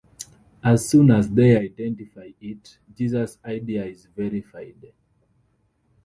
As soon as they identify it, Jesus' idea is verified.